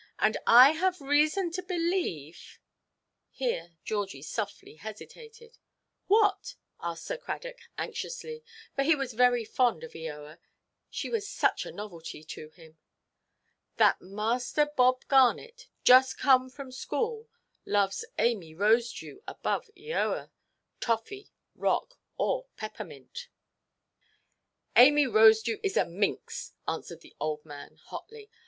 And I have reason to believe"—— here Georgie softly hesitated. "What?" asked Sir Cradock, anxiously, for he was very fond of Eoa; she was such a novelty to him. "That Master Bob Garnet, just come from school, loves Amy Rosedew above Eoa, toffee, rock, or peppermint." "Amy Rosedew is a minx," answered the old man, hotly.